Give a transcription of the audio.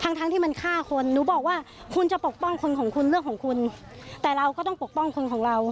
ทั้งทั้งที่มันฆ่าคนหนูบอกว่าคุณจะปกป้องคนของคุณเรื่องของคุณแต่เราก็ต้องปกป้องคนของเรา